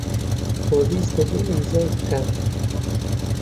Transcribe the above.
پۆلیس دەبێ ئیمزای بکا.